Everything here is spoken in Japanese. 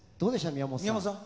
宮本さん。